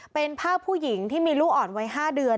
เป็นภาพผู้หญิงที่มีลูกอ่อนไว้๕เดือน